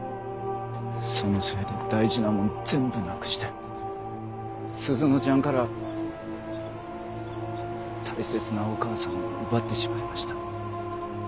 そのせいで大事なものを全部なくして鈴乃ちゃんから大切なお母さんを奪ってしまいました。